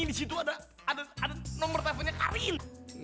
di situ ada nomor teleponnya karin